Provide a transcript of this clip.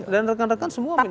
dan rekan rekan semua menaksikan